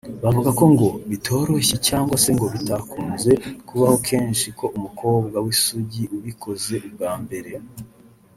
Bavuga ko ngo bitoroshye cyangwa se ngo bidakunze kubaho kenshi ko umukobwa w’isugi ubikoze ubwa mbere